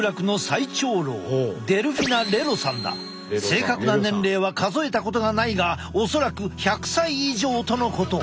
正確な年齢は数えたことがないが恐らく１００歳以上とのこと。